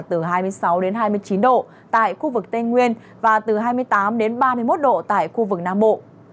từ hai mươi sáu đến hai mươi chín độ tại khu vực tây nguyên và từ hai mươi tám đến ba mươi một độ tại khu vực nam bộ